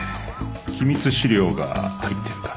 機密資料が入ってるから。